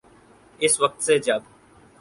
اس وقت سے جب